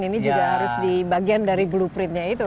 ini juga harus di bagian dari blueprintnya itu